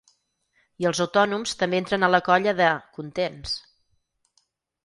I els autònoms també entren a la colla de ‘contents’.